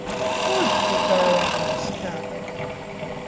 "Good," replied Aramis, calmly.